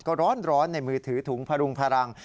ก็ร้อนในมือถือถุงพรุงพลัง